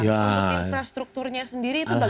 untuk infrastrukturnya sendiri itu bagaimana